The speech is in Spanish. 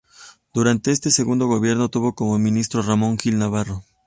Durante este segundo gobierno tuvo como ministro a Ramón Gil Navarro.